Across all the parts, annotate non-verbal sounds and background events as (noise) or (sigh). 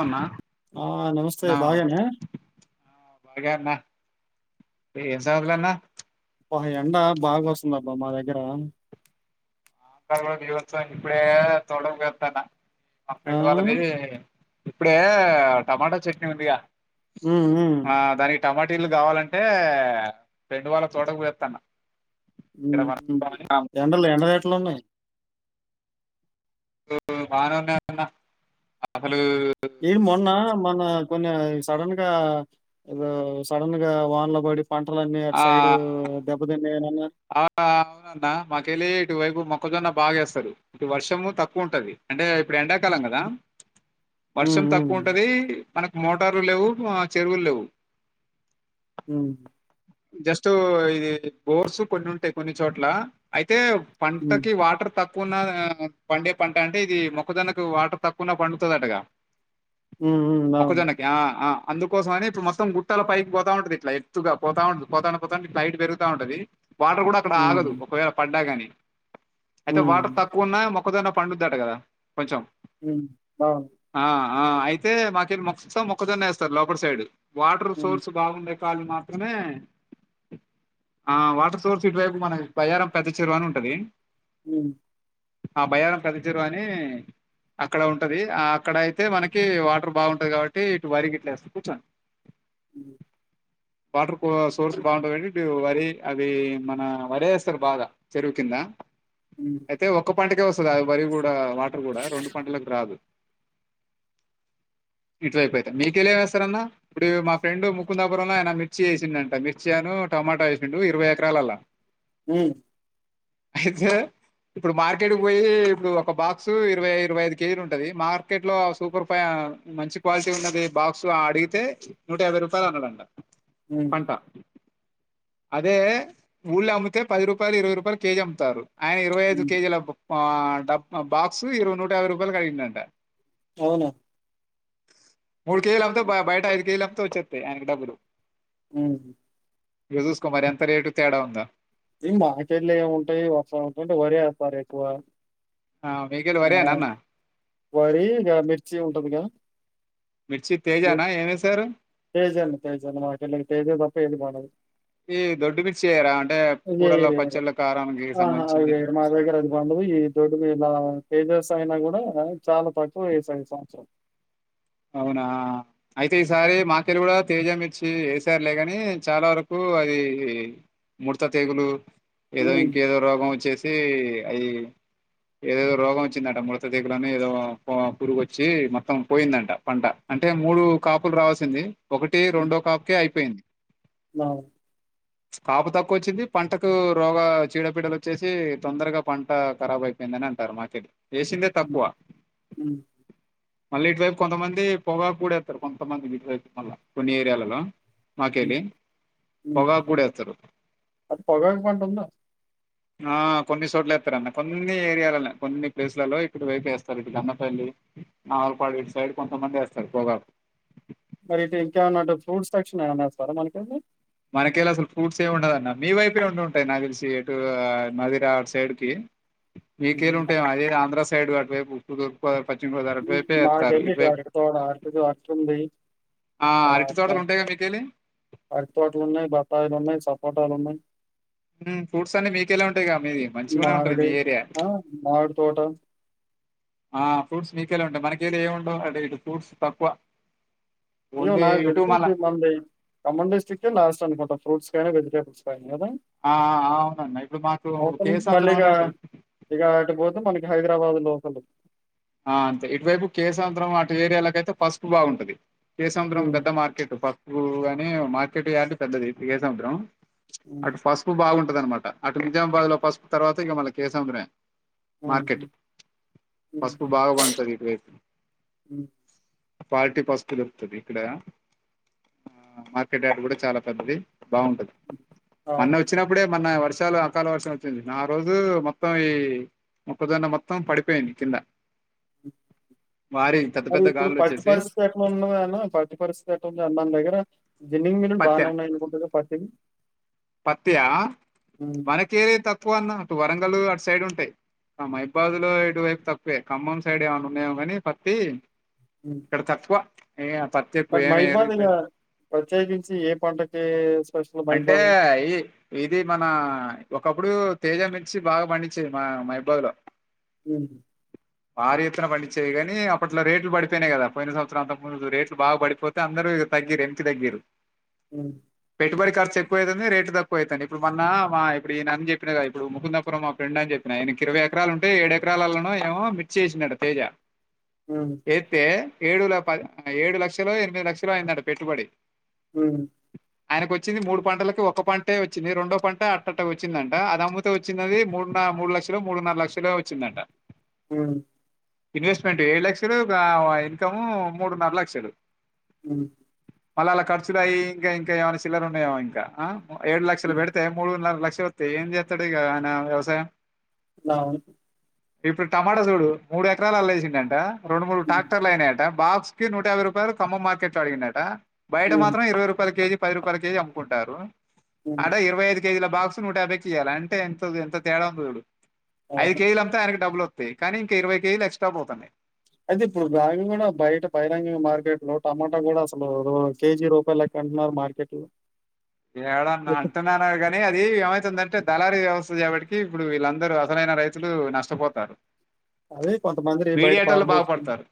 అవునా ఆ నమస్తే బాగేన బాగే అన్న ఏం సంగతులన్న పాహ ఎండ బాగా ఒస్తుందబ్బ మా దగ్గర (unintelligible) బిబస్సంగా ఇప్పుడే తోడకుఓయతన మా ఆ! ఫ్రెండ్ వాళ్ళది ఇప్పుడే టమాటా చట్నీ ఉందిగ ఉ ఉ టమాటీలు కావాలంటే ఫ్రెండ్ వాళ్ళ తోటకిబోయతన్న (unintelligible) ఎండలు ఎండలెట్లున్నయ్ (unintelligible) బానేవున్నాయి అన్న ఈడ్ మొన్న మొన కొన్నవ్ సడన్ గా ఒ సడన్ గా వాన్లోబడి పంటలన్నీ అటు సైడ్ దెబ్బతిన్ ఆ ఆ అవునన్న మా కెలి ఇటు వైపు మొక్ కొద్ది గన్న బాగా ఎస్తారు ఇటు వర్షము తక్కువ ఉంటది అంటే ఇప్పుడు ఎండాకాలం కదా హ్మ్. వర్షం హ్మ్. తక్కువ ఉంటది మనకు మోటారు లేవు చెరువులు లేవు ఉమ్ జస్ట్టు ఇది బోర్సు కొన్ని ఉంటాయి కొన్ని చోట్ల అయితే అయితే హ్మ్. పంటకి వాటర్ తక్కువ తక్కువున్నా పండే పంట అంటే ఇది మొక్కజొన్నకు వాటర్ తక్కువున్నా పండుతది అటగా హ్మ్. హ్మ్. అవును. మొక్కజొన్న కి ఆ ఆ అందుకోసం అని ఇప్పుడు మొత్తం గుట్టల పైకి పోతా ఉంటది ఇట్లా ఎత్తుగా పోతా ఉంటది పోతా పోతా హైట్ పెరుగుతా ఉంటది వాటర్ కూడా అక్కడ హ్మ్. ఆగదు ఒకవేళ పడ్డా గాని అయితే వాటర్‌ హ్మ్. తక్కువున్నా మొక్క మొక్క జొన్న పండుద్దట కదా కొంచెం ఉమ్ అవును ఆ ఆ అయితే మాకెలే మొత్తం మొక్కజొన్న వేస్తారు లోపర్ సైడ్ వాటర్ హ్మ్. సోర్స్ బాగుండయి కాల్‌ మాత్రమే ఆ వాటర్‌ తూర్పు ఇటు వైపు మనకి బయ్యారం పెద్ద చెరువు అని ఉంటది ఉమ్ ఆ బయారం పెద్ద చెరువు అని అక్కడ ఉంటది అక్కడ అయితే మనకి వాటర్ బాగుంటుంది కాబట్టి ఇటు వరిగట్లే వేస్తాం కూర్చోండి ఉమ్ వాటర్ సోర్స్ బాగుంటది కాబట్టి ఇటు వరి అది మన వరేస్తరు బాగ చెరువు కింద హ్మ్. అయితే ఒక పంట కె వస్తది ఆ వరి గూడ దా వాటర్ కూడా రెండు పంటలకు రాదు ఇటువైపు అయితే మీకెలా ఎం వేస్తారు అన్న ఇప్పుడు మా ఫ్రెండ్ ముకుందాపురం లో ఆయన మిర్చి వేసిండంట మిర్చి అను టొమాటా వేసిండు ఇరవై క్రాల్ ల ఉమ్ అయితే ఇప్పుడు మార్కెట్కి పోయి ఇప్పుడు ఒక బాక్సు ఇరవై ఇరవై ఐదు కేజీలు ఉంటది మార్కెట్ లో సూపర్ ఫై మంచి క్వాలిటీ ఉన్నది బాక్స్ అడిగితే నూట యాభై రూపాయలు అన్నాడంట హ్మ్. పంట అదే ఎ ఊళ్లో అమ్మితే పది రూపాయలు ఇరవై రూపాయలు కేజీ అమ్ముతారు ఆయ ఇరవై ఐదు హ్మ్. కేజీ లకు ఆడ డా బాక్స్ ఇరవై నూట యాభై రూపాయలు కి అడిగిండంట అవునా మూడు కేజీలు అమ్మితే బయట ఐదు కేజీలు అమ్మితే వచ్చేస్తాయి ఆయనకి డబ్బులు అమ్ యక జూస్కో మారి ఎంత రేటు తేడా ఉందా ఇ మార్కెట్లు ఏముంటాయి వస్త ఉంటాయింటే వరి వేస్తారు ఎక్కువ ఆ! మీకేలి ఆ వరేనా అన్న? వరి మీ వచ్చ ఉంటదిగాద మిర్చి తేజానా ఏమేశారు? తేజల్ తేజల్ మాకలా తేజల్ పప్ప ఇది బదు ఈ దొడ్డు మిర్చి ఏయరా? అంటే ఇద కూరల్లో, రే పచ్చళ్ళ, కారానికి ఆ సంబంధించింది. మా దగ్ర అది బంద ఈ దొడ్డు మీలా తేజస్ అయినగ చాలా తక్కు వస అవునా అయితే ఈసారి మాకెలు కూడా తేజంమిర్చి వేసారు లేగాని చాలా వరకు అది ముడత తీగులు ఏదో హ్మ్ ఇంకేదో రోగం వచ్చేసి అది ఏదేదో రోగం వచ్చిందంట మృతదేగలోనే ఏదో పురుగుచ్చి మొత్తం పోయిందంట పంట అంటే మూడు కాపులు రావాల్సింది ఒకటి రెండో కాప్కే ఐ స్పెన్ అ కాపు తక్కువ వచ్చింది పంటకు రోగ చీడ పపీడలు వచ్చేసి తొందరగా పంట ఖరాబ్ అయిపోయిందని అంటారు మాకెళ వేసింది తప్పువ హ్మ్ మల్ ఇట్ కొంతమంది పొగా పడేస్తారు కొంతమంది మళ్ళ కొన్ని ఏరియాలలో మాకెళ్ళి పొగాకు కూడా వేస్తారు అది పగా పంటంద ఆ కొన్ని చోట్ల వస్తారున్న కొన్ని ఏరియాలలో కొన్ని ప్లేసులలో ఇప్పుడు వైపేస్తారు ఇ కన్నపల్లి ఆవలపాడు సైడ్ కొంతమంది వస్తారు పోగా మరి ఇటు ఇంకేమన్నాట్టు ఫ్రూట్స్ ఎక్షన్మన్నాస్తారా మనకం మనకెళ్ళ అసలు ఫ్రూట్స్ ఏమి ఉండదున్న మీ వైపే ఉండి ఉంటాయి నా తెలిసి ఎటు మదిర సైడ్ కి మీకేలు ఉంటాేమ అది ఆంధ్ర సైడ్ కాటి వస్తుతోపా మాకేమిటి అరకి త అరకి అర్కు ఉంది ఆ అరటి తోటలు ఉంటాయిగా మీకెళ్ళి అతు వాట్లోన్నాయి బతలోన్నా సపోట్ల ఉన్నా ఫ్రూట్స్ అన్ని మీకెలా ఉంటాయి మీది మంచి కూడా ఉంటంది మామిడి మీ ఏరియా ఆ మామిడి తోట ఆ ఫ్రట్ మీకెలా ఉంటాయి మనకెళ ఏము ఉండవు అదే ఇ ఫ్రూట్స్ తక్కువ ఇయో ఓన్లీ నా ఇటు వెసి మళ్ళ ఇది మంది కమ్మన్ డిటక్ లాస్ట్ అనుకుంటా ఫ్రూట్స్ కైనా వెెద స కదా ఆ! ఆ! అవునన్నా. ఇప్పుడు మాకు అవసర మళ్ళీ కేసాంధ్రం ఇక అని ఉంటది. ఇక ఆటిపోతే మనకి హైదరాబాద్ లోకల్ ఆ అంతే ఇటువైపు కేసాయంత్రం అటు ఏరియాలక అైతే పసుపు బాగుంటది కేసము్రం హ్మ్. పెద్ద మార్కెట్ పకు మార్కెట్ యార్డు పెద్దది ఇగే సముద్రం హ్మ్. అటు పసుపు బాగుంటు అనమాట అటు నిజామాబాద్ లో పసుపు తర్వాత ఇక మళ్ళ కేసముద్రమే ఆ పసుపు బాగా పండుతుంది ఇటు వైపు హ్మ్. క్వాలిటీ పస్తులుతుది ఇక్కడ ఆ మార్కెట్ యార్డ్ కూడా చాలా పెద్దది బాగుంటది మొన్న అవును. వచ్చినప్పుడే మొన్న వర్ష వర్షాలు అకాల వర్షం వచ్చింది ఆ రోజు మొత్తం ఈ మొక్కజొన్న మొత్తం పడిపోయింది కింద భారీ పెద్ద మరి పెద్ద ఇప్పుడు గాలులు వచ్చేసి పట్టుపరిస్థితి ఎట్లా ఉన్నది అన్న పట్టు పరిస్థితి ఎట్లాంది మన దగ్గర జిన్నింగ్ మీల్ల్ లు పత్య బానే ఉన్నాయి అనుకుంట కదా పత్యా మనకేర తక్కువ అన్న వరం వంగలు అటు సైడ్ ఉంటాయి ఆ మహిబాద్ లో ఇటువైపు తక్కవే ఖమ్మం సైడ్ ఏమనా ఉన్నాయిఏమో కాని పత్తి హ్మ్. ఇక్కడ తక్కువ ఏ పత్తి ఎక్కువ మరి ఏమేయరు ఇటు మైబాధగా వైపు. ప్రత్యేకించి ఏ పంటకి స్పెషల్ అంటే మైబాద్? ఈ ఇది మన ఒకప్పుడు తేజం మిర్చి బాగా పండించేది మా మయిబాగ్ లో ఉ భారీ ఎత్తున పండించేయి కానీ అప్పట్లో రేట్లు పడిపోయినయి కదా పోయిన సంవత్సరం అంతకు ముందు రేట్లు బాగా పడిపోతే అందరూ తగ్గిర వెనకి తగ్గిరు హ పెట్టుబడి ఖర్చు ఎకువయితుంది రే తక్కువవుతుంది ఇప్పుడు మొన్న మా ఇప్పుడు ఈయన అ చెప్పిన కద ఇప్పుడు ముకుందపురం మా ఫ్రెండ్ అని చెప్పిన అయన కి ఇరవై ఎకరాలు ఉంటే ఏడు ఎకరాలలో ఏమో మిర్చి వేసినాడు అంటే తేజ హ్మ్. ఎందే ఏడు ఏడు లక్షలు ఎనిమిది లక్షలు అయిందంట పెట్టుబడి హ్మ్. ఆయనకు వచ్చింది మూడు పంటలకి ఒక పంటే వచ్చింది రెండో పంట అట్ట అట్ట వచ్చిందంట అది అమ్ముతే వచ్చింది మూడు మూడు లక్షలొ మూడున్నర లక్షలో వచ్చిందంట హు మ్ ఇన్వెస్ట్మెంట్ ఏడు లక్షలు ఇన్కము మూడున్నర లక్షలు అ మళ్ళఅళ్ళ ఖర్చులు అయి ఇంకా ఇంకా చిల్లర్ ఉన్నాయి ఏమో ఇంకా ఏడ్ లక్షలలు హ్మ్. పెడితే మూడున్నర లక్ష త ఏం చేతడి కి వ్యవసాయం నాలా ఇప్పుడు టమాటా చూడు మూడు ఎకరాాల అలా వేసిండ అంట రెండు మూడు హ్మ్. ట్రాక్టర్లు అయినాయి అంట బాక్స్ కి నూట యాభై రూపాయలు ఖమ్మం మార్కెట్ లో అడిగిండు అంట బయట హ్మ్. మాత్రం ఇరవై రూపాయల కేజీ ముప్పై రూపాయల కేజీ అమ్ముకుంటారు హ్మ్. అడ ఇరవై ఐదు కేజీల బాక్స్ నూట యాభైకి ఇయాల అంటే ఎంత ఎంత తేడా ఉందొ చూడు అవును. ఐదు కేజీల్ అమ్ముతే ఆయనకీ డబుల్ కానీ ఇంకా ఇరవై కేజీలు ఎక్స్ట్రా పోతన్నాయి అయితే ఇప్పుడు బాయన్ కూడా బయట బహిరంగ మార్కెట్ లో టమాటా కూడా అసలు కేజీ రూపాయలు లెక్క అంటున్నారు మార్కెట్ లో ఏడ అంటనరే గనీ ఇది ఏమైతుందంటే దళారీ వ్యవస్థ చేపటికి ఇప్పుడు వీళ్ళందరూ అసలైన రైతులు నష్టపోతారు అదే కొంతమందిరి బయట మీడియేటర్లు పారబోసుకుని బాగుపడతారు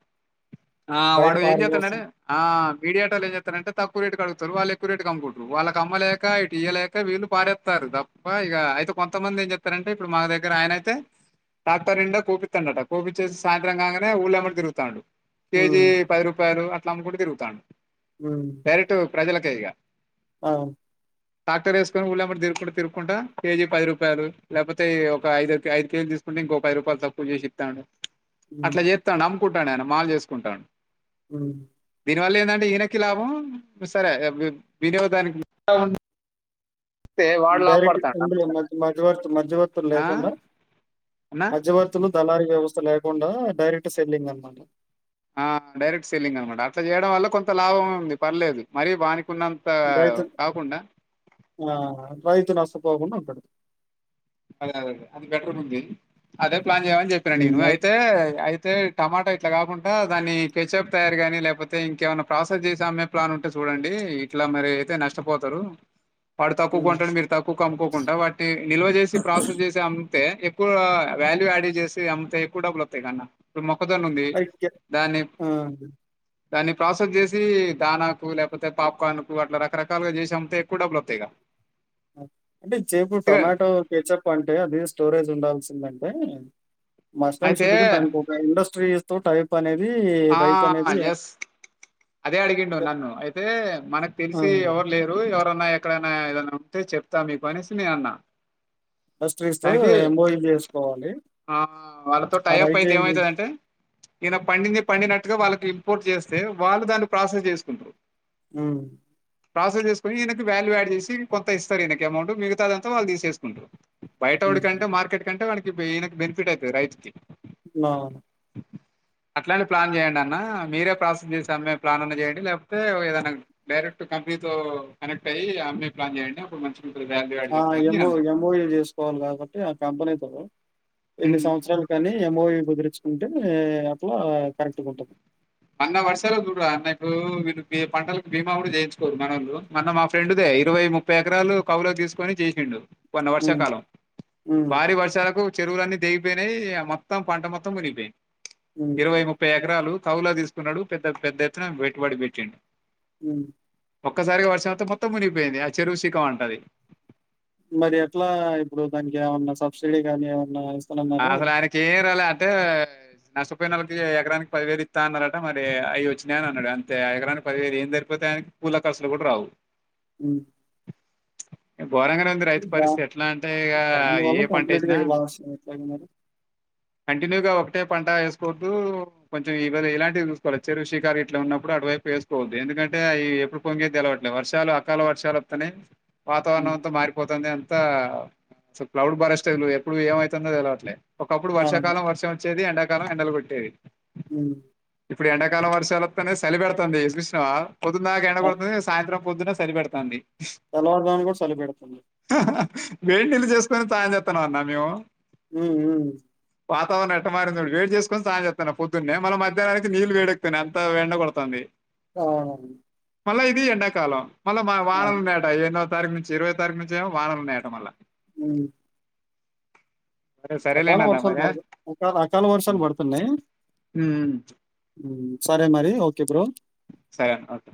ఆ బయట వాడు ఏం చేత్తందంటే పారబోసం ఆ మీడియేటర్లు ఏం చేత్తరంటే తక్కువ రేటు కడుగు తరు వాళ్ళు ఎక్కువ రేటు కు అమ్ముకుంట్రు వాళ్ళ కమ్మలేక ఇటు ఇయలేక వీళ్ళు పారేత్తర్రు తప్ప ఇక అయితే కొంతమంది ఏం చెతారంటే ఇప్పుడు మా దగ్గర ఆయన అయితే టాక్టర్ నిండా కోపిత్తండట కోపిచ్చేసి సాయంత్రం కాంగానే ఊలెంబడి తిగుతాండు కేజి హ్మ్. పది రూపాయలు అ ట్ల అమ్ముకుంటూ తిరుగుతాండు డైరెక్ట్ (unintelligible) ప్రజలకే ఇగా ఆ టాక్టర్ వేసుకని ఉళ్ళంమడి తిరుకుంట తిరుక్కుంటా కేజీ పది రూపాయలు లేకపోతే ఒక ఐదు ఐదు కేజీలు తీసుకుంటే ఇంకోక పది రూపాయలు తక్కువ చేసిత్తాండు హ్మ్. అట్లే చేత్తండం కుంటాడు అయన మాగ చేసుకుంటాడు ఉమ్ దీనివల్ల ఏందంటే ఈయనకి లాభం సరే వి వినియోదానికి అవును డైరెక్ట్ హుండీలో మధ్యవర్తి మధ్యవర్తులు ఆ లేకుండా అన్నా మధ్యవర్తులు దళారీ వ్యవస్థ లేకుండా డైరెక్ట్ సెల్లింగ్ అన్నమాట ఆ డైరెక్ట్ సెల్లింగ్ అనమాట అట్లా చేయడం వల్ల కొంత లాభం ఉంది పర్లేదు మరియు వానికి కున్నంత రైతు కాకుండా ఆ! రైతు నష్టపోకుండా ఉంటడు అదే అదే అదే అది బెటర్ గుంది అదే ప్లాన్ చేయమని చెప్పిన హ్మ్. నేను అద్ అయితే యితే టమాటా ఇట్లా కాకుంటా దాన్ని కెచప్ తయారు గాని లేపోతే ఇంకేమైనా ప్రాసెస్ చేసే అమ్మే ప్లాన్ ఉంటే చూడండి ఇట్లా మరి అయితే నష్టపోతారు వాడు హ్మ్. తక్కుకొంటాడు మీరు తక్కు అమ్ముకోకుండా వాటి ని నిల్ ప్రాసెస్ చేసి అం తే ఎక్కువ వాల్యూ యాడ్ చేసి అమ్ముతే ఎక్కువ డబ్బులు అత్తాయి క న్నా ఇప్పు మొ క్కజొన్న ఉంది అయితే దాన్ని ఆ! దాన్ని ప్రాసెస్ చేసి దానాకు లేకపోతే పాప్కార్న్కు అట్లా రకరకాలుగా చేసి అమ్ముతే ఎక్కువ డబ్బులు వత్తయిగా హు అంటే జేపు టొమాటో పేచప్ పా అంటే అది స్టోరేజ్ ఉండాల్సింద అంటే మాస్టన్ అయితే షుడ్ కు కు దానికి ఇండస్ట్రీ తో టైప్ అనేది ఆ రైతు అనేది ఎస్ అదే అడిగిండు నన్ను అయితే మనకు ఆ! తెలిసి ఎవరు లేరు ఎవరున్నా ఎక్కడైనా ఏదనా ఉంటే చెప్తా మీకు అనేసి నేను అన్నా ఇండస్ట్రీస్‌తో దానికి ఎంఓయూ జేసుకోవాలి. ఆ వాళ్ళతో ఆ టైప్ రైతు అయితే ఏం జే ఏమైతుందంటే ఈయన పండింది ట్టుగా వాళ్ళకి ఇంపోర్ట్ చేస్తే వాళ్ళు దాన్ని ప్రాసెస్ చేసుకుంటారు హు ప్రాసెస్ చేసుకుని ఈయనకి వాల్యూ యాడ్ చేసి కొంత ఇస్తారు ఈయనకు అమౌంట్ మిగతా అంతా వాళ్ళు తీసేసుకుంటారు భయటోడు హ్మ్. కంటే మార్కెట్ కంటే వానికి ఈయనకు బెనిఫి ట్ అయితది రైతుకి లా అ అట్లాంటి ప్లాన్ చేయండి అన్న మీరే ప్రాసెస్ చేసి అమ్మే ప్లాన్ అన్నా చేయండి లేకపోతే ఏదైనా డైరెక్ట్ కంపెనీతో కనెక్ట్ అయ్యి అమ్మే ప్లాన్ చేయండి అప్పుడు మంచి ఆ ఎమ్ఓ ఎమ్ బి ఓవి చేసుకోవాలి కాబట్టి ఆ కంపెనీతో ఎన్ని ఉమ్. సంవత్సరాలు కానీ ఎంఓవి కుదిరించుకొని అంటే అట్లా కరెక్ట్ గా ఉంటది అన్న వర్షాలకూ చూడరాదు అన్న ఇప్పుడు వీళ్ళు పంటలకు బీమా కూడా చేయించుకోరు మనోళ్లు మొన్న మా ఫ్రెండ్ దేఇరవై ముప్పై ఎకరాలు కవులోకి తీసుకొని చేసిండు మాన్నా హ్మ్. వర్షకాలం హ్మ్. భారీ వర్షాలకు చెరువులన్నీ తెగిపోయినాయి మొత్తం పంట మొత్తం వినిగిపోయిది హ్మ్. ఇరవై ముప్పై ఎకరాలు కౌళ్ళకి తీసు తీసుకున్నాడు పెద్ద పెద్ద ఎత్తున పెట్టుబడి పెట్టిండు హు ఒక్కసారిగా వర్షం అతే మొత్తం మునిగిపోయింది ఆ చెరువు శిఖం అంటాది మరి ఎట్లా ఇప్పుడు దానికి ఏమన్నా సబ్సిడీ గాని ఏమన్నా ఆ ఇస్తానన్నారా? అసలు ఆయనకు చేయనే రాలే అంటే నష్ట ప ముప్పై నేలకి ఎకరానికి పదివేయిలు ఇస్తా అన్నారట మరి అయ్య వచ్చినాయియని అన్నాడు అంతే ఎకరానికి పదివేయిలు ఏం జరిపోతాయ కూళ్ల ఖర్చులు కూడా రావు ఊ ఘోరంగానే ఉంది రైతు పరిస్థితి ఎట్లా అంటే ఇగ దానివల్ల ఏ పంట కంప్లీట్‌గా ఏసిన ఇక లాస్ ఎట్లాగా మరి? కంటిన్యూగా ఓ అట్టే పంట వేసుకోవద్దు కొంచెం ఈ ఇలాంటివి చూసుకోవాలే చెరువు షికారు ఇట్లా ఉన్నప్పుడు అటువైపు వేసుకోవద్దు ఎందుకంటే అవి ఎప్పుడు పొంగే తెలవట్లేదు వర్షాలు అకాల వర్షాలు వస్తానై వాతావరణం హ్మ్. అంత మారిపోతుంది అ అంత క్లౌడ్ బరష్టాలు ఎప్పుడు ఏమవుతుందో తెలవట్లే లే ఒకప్పుడు అవును. వర్షాకాలం వర్షం వచ్చేది ఎండా ప్రకారం ఎండలు కొట్టేయి అ ఇప్పుడు ఎండాకాలంలో వర్షాలతోనే సలిపెడుతుంది చూషినావా పోద్దున్ దాక ఎండ ఆ! పడ్తుంది. సాయంత్రం పొద్దున సరిపెడతాంది తెల్లవారుజామున గూడా చలి పెడుతుంది. వేడి నీళ్లు చేసుకోని తాగ్యం త్తనాన్నా మేము ఉ వాతావరణ ఎట్టమారిందిడు వే చేసుకుని సాయం చేస్తన్నా పొద్దున్నే మళ్ళ మధహ్నానికి నీళ్ళు వేడెక్కున్నాయి అంత ఎండ కొడుతాంది అవును మళ్ళా ఇది ఎండాకాలం మళ్ళ మ వానలు మేటా ఏ నో తారీక్ నుంచి ఇరవై తారీక్ నుంచిే ఎమో వానలు ఉన్నాయి అట మల్లి అ సరే అకాల సరేలేండి అన్న వర్షాలు మరి పడు అ అకాల వర్షాలు ఉమ్, పడుతున్నాయి ఉమ్, సరే మరి ఓకే బ్రో సరే ఓకే